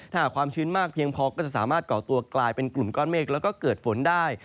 ถ้าหากความชื้นมากเพียงพอก็จะสามารถก่อตัวกลายเป็นกลุ่มก้อนเมฆแล้วก็เกิดฝนได้